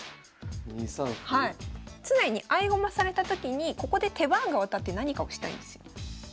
常に合駒されたときにここで手番が渡って何かをしたいんですよ。